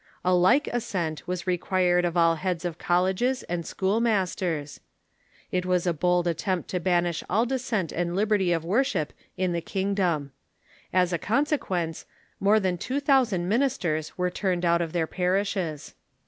A like assent was required of all heads of colleges and school masters. It was a bold attempt to banish all dissent and lib erty of worship in the kingdom. As a consequence, more than two thousand ministers were turned out of their parishes.